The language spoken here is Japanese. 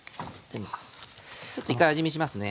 ちょっと一回味見しますね。